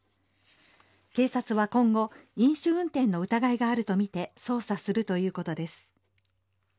警察は今後飲酒運転の疑いがあるとみて捜査するということです。